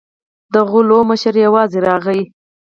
د غلو مشر یوازې راغی.